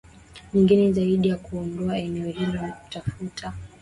nyingine zaidi ya kuondoka eneo hilo na kutafuta